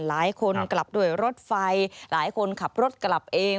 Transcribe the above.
หลายคนกลับด้วยรถไฟหลายคนขับรถกลับเอง